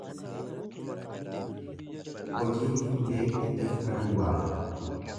Hojiin hin beekne dafqa duwwaadha.